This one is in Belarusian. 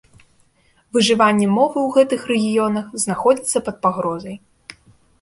Выжыванне мовы ў гэтых рэгіёнах знаходзіцца пад пагрозай.